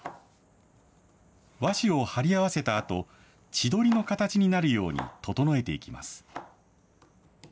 和紙を張り合わせたあと、千鳥の形になるように整えていきます。